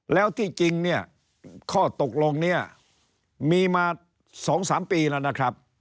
แล้วที่จริงข้อตกลงนี้มีมาสองสามปีแล้วนะครับ